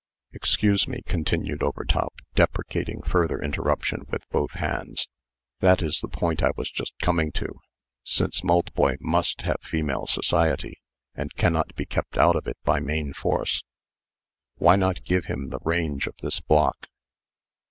"Excuse me," continued Overtop, deprecating further interruption with both hands. "That is the point I was just coming to. Since Maltboy must have female society, and cannot be kept out of it by main force, why not give him the range of this block?